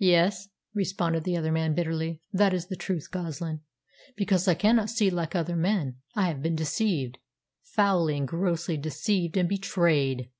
"Yes," responded the other, bitterly. "That is the truth, Goslin. Because I cannot see like other men, I have been deceived foully and grossly deceived and betrayed!